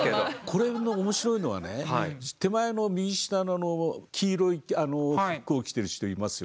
これの面白いのはね手前の右下の黄色い服を着てる人いますよね。